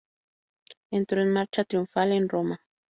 Entró en marcha triunfal en Roma.